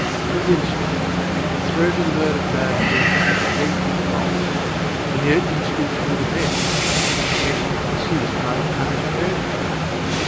For instance. The throat of the murdered man had been cut straight across. In the opening speech for the defence, it was suggested that the deceased might have cut his own throat.